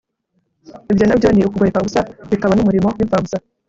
ibyo na byo ni ukugokera ubusa, bikaba n'umurimo w'impfabusa